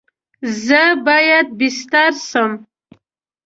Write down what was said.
زه باید بیستر سم؟